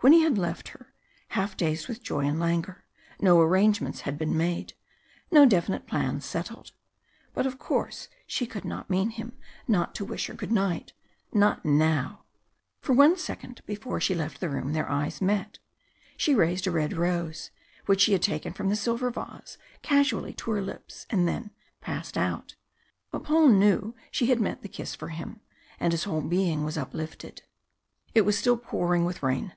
When he had left her, half dazed with joy and languor, no arrangements had been made no definite plans settled. But of course she could not mean him not to wish her good night not now. For one second before she left the room their eyes met, she raised a red rose, which she had taken from the silver vase, casually to her lips, and then passed out, but Paul knew she had meant the kiss for him, and his whole being was uplifted. It was still pouring with rain.